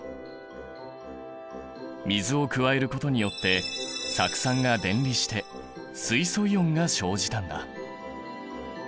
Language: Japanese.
水を加えることによって酢酸が電離して水素イオンが生じたんだ。